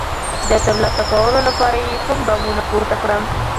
د ترلاسه کولو لپاره یې کوم ګامونه پورته کړم؟